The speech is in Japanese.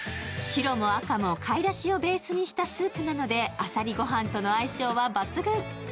白も赤も貝出汁をベースにしたスープなのであさりご飯との相性はばつぐん。